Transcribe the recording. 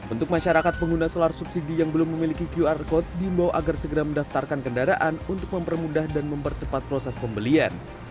untuk masyarakat pengguna solar subsidi yang belum memiliki qr code diimbau agar segera mendaftarkan kendaraan untuk mempermudah dan mempercepat proses pembelian